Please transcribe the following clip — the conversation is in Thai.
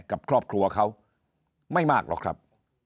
กับครอบครัวเขาไม่มากหรอกครับ